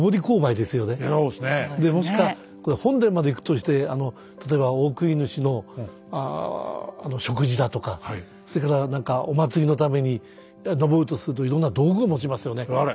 もしか本殿まで行くとして例えばオオクニヌシの食事だとかそれからお祭りのために上るとするといろんな道具を持ちますよね。